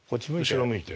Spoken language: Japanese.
後ろ向いて。